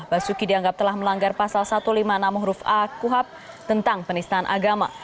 basuki dianggap telah melanggar pasal satu ratus lima puluh enam huruf a kuhab tentang penistaan agama